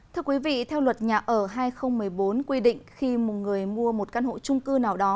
thưa quý vị theo luật nhà ở hai nghìn một mươi bốn quy định khi một người mua một căn hộ trung cư nào đó